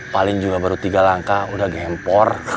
paling baru tiga langkah sudah berjalan